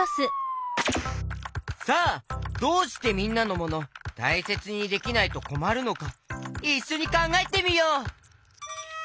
さあどうしてみんなのモノたいせつにできないとこまるのかいっしょにかんがえてみよう！